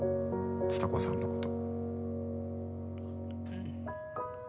蔦子さんのこと。